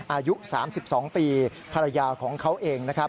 อายุ๓๒ปีภรรยาของเขาเอง